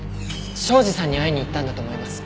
庄司さんに会いに行ったんだと思います。